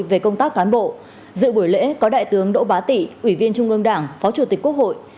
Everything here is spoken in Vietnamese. về công tác cán bộ dự buổi lễ có đại tướng đỗ bá tị ủy viên trung ương đảng phó chủ tịch quốc hội